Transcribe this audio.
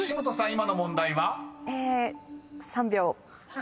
今の問題は？］